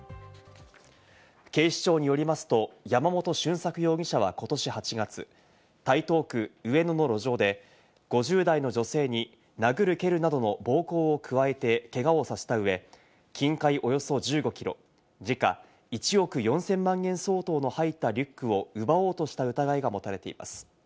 警視庁によりますと、山本俊策容疑者はことし８月、台東区上野の路上で５０代の女性に殴る蹴るなどの暴行を加えてけがをさせたうえ、金塊およそ１５キロ、時価１億４０００万円相当の入ったリュックを奪おうとした疑いが持たれています。